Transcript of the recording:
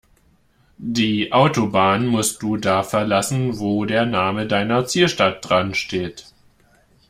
Die Autobahn musst du da verlassen, wo der Name deiner Zielstadt dran steht.